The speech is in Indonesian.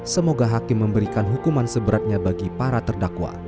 semoga hakim memberikan hukuman seberatnya bagi para terdakwa